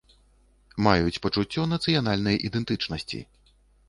Маюць пачуццё нацыянальнай ідэнтычнасці.